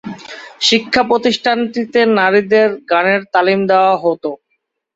শিক্ষা প্রতিষ্ঠানটিতে নারীদের গানের তালিম দেওয়া হত।